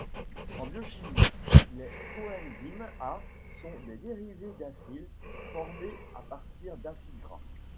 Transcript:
En biochimie, les coenzymes A sont des dérivés d'acyles formés à partir d'acides gras.